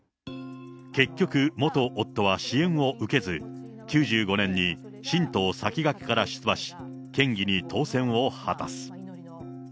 結局、元夫は支援を受けず、９５年に新党さきがけから出馬し、県議に当選を果たす。